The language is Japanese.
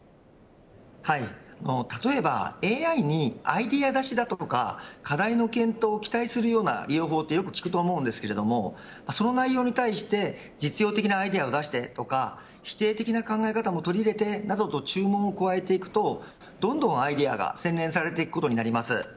例えば、ＡＩにアイデア出しだとか課題の検討を期待するような利用法をよく聴くと思うんですけれどその内容に対して実用的なアイデアを出してとか否定的な考え方も取り入れて、などと注文を加えていくと、どんどんアイデアが洗練されていくことになります。